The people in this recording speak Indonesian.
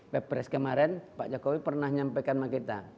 pepres kemarin pak jokowi pernah nyampaikan sama kita